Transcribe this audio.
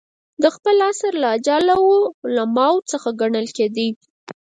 د خپل عصر له اجله وو علماوو څخه ګڼل کېدئ.